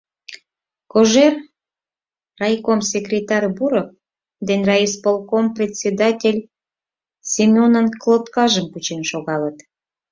Кожер, райком секретарь Буров ден райисполком председатель Семёнын колоткажым кучен шогалыт.